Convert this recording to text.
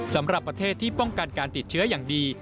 สำหรับประเทศที่ป้องกันการติดเชื้ออย่างดี